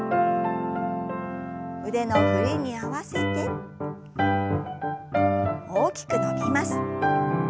腕の振りに合わせて大きく伸びます。